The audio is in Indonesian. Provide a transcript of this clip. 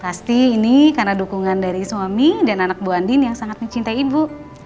pasti ini karena dukungan dari suami dan anak bu andin yang sangat mencintai ibu